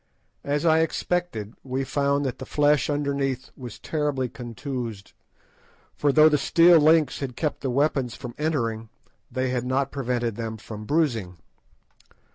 As I expected, we found that the flesh underneath was terribly contused, for though the steel links had kept the weapons from entering, they had not prevented them from bruising.